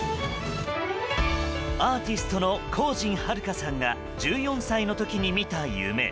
アーティストの荒神明香さんが１４歳の時に見た夢。